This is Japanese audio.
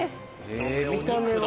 え見た目は。